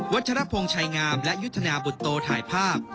วัฒนภงชายงามและยุทธนาบุตโตถ่ายภาพ